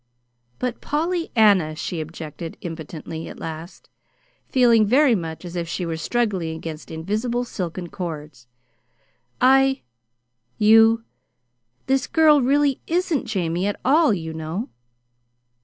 "But, Pollyanna," she objected impotently, at last, feeling very much as if she were struggling against invisible silken cords, "I you this girl really isn't Jamie, at all, you know."